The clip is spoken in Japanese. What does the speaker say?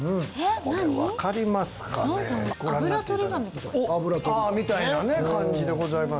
これ分かりますかねみたいなね感じでございます